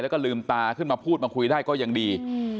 แล้วก็ลืมตาขึ้นมาพูดมาคุยได้ก็ยังดี